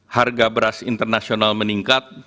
harga beras internasional meningkat